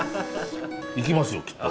行きますよきっと。